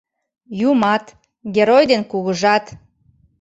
Юмат, герой ден кугыжат